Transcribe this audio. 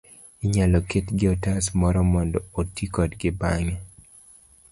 inyalo ketgi e otas moro mondo oti kodgi bang'e.